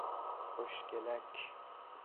خوشگلک